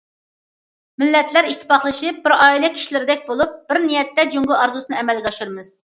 مىللەتلەر ئىتتىپاقلىشىپ بىر ئائىلە كىشىلىرىدەك بولۇپ، بىر نىيەتتە جۇڭگو ئارزۇسىنى ئەمەلگە ئاشۇرىمىز.